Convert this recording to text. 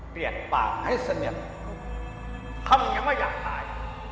เปรียกปากให้เสมือนถ้ามึงยังว่าอยากตาย